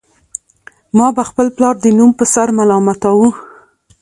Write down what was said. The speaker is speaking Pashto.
ما به خپل پلار د نوم په سر ملامتاوه